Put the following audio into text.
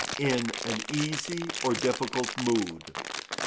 _, in an easy or difficult mood.